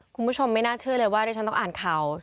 คุณผู้ชมไม่น่าเชื่อเลยว่าที่ฉันต้องอ่านข่าว